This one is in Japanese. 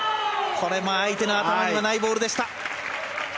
これも相手の頭にはないボールでした。